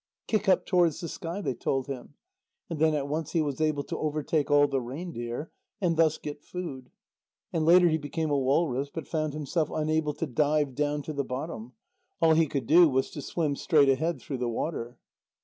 "Kick up towards the sky," they told him. And then at once he was able to overtake all the reindeer, and thus get food. And later he became a walrus, but found himself unable to dive down to the bottom; all he could do was to swim straight ahead through the water.